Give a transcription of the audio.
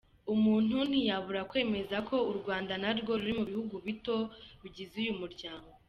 Umuntu ntiyabura kwemeza ko u Rwanda narwo ruri mu bihugu bito bigize uyu muryango.